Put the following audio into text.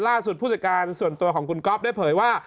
ผู้จัดการส่วนตัวของคุณก๊อฟได้เผยว่า